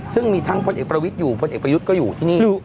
ซึ่งมีทั้งพลเอกประวิทย์อยู่พลเอกประยุทธ์ก็อยู่ที่นี่